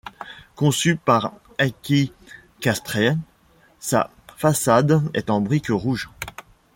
Conçue par Heikki Castrén, sa façade est en briques rouges.